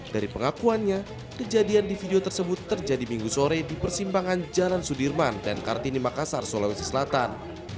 dari pengakuannya kejadian di video tersebut terjadi minggu sore di persimpangan jalan sudirman dan kartini makassar sulawesi selatan